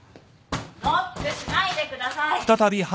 ・ノックしないでください。